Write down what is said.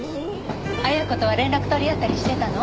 亜矢子とは連絡取り合ったりしてたの？